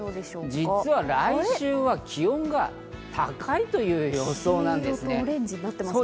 実は来週は気温が高いという予想なんです。